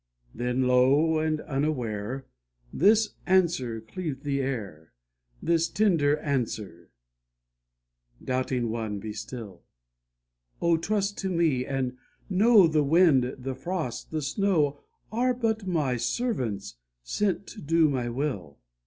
Then low and unaware This answer cleaved the air, This tender answer, "Doubting one be still; Oh trust to me, and know The wind, the frost, the snow, Are but my servants sent to do my will.